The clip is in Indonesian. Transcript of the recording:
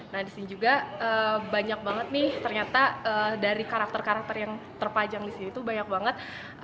nah disini juga banyak banget nih ternyata dari karakter karakter yang terpajang di sini tuh banyak banget